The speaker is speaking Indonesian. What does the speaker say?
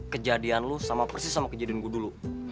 kejadian lu sama persis sama kejadian gue dulu